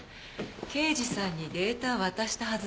刑事さんにデータを渡したはずだけど。